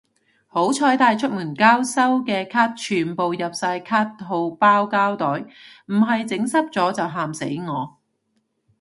好彩帶出門交收嘅卡全部入晒卡套包膠袋，唔係整濕咗就喊死我